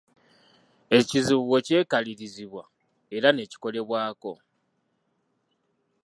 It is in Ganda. Ekizibu bwe kyekalirizibwa era ne kikolebwako.